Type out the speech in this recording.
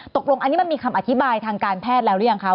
ตกลงอันนี้มันมีคำอธิบายทางการแพทย์แล้วหรือยังคะ